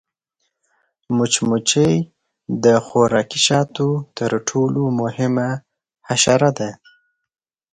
مچمچۍ د خوراکي شاتو تر ټولو مهمه حشره ده